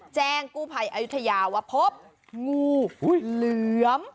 แจ้งกู้ภัยอายุทยาว่าพบงูเหลือม